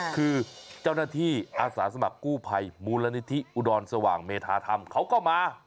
คือเจ้าหน้าที่อาสาสมัครกู้ภัยมูลนิธิอุดรสว่างเมธาธรรมเขาก็มา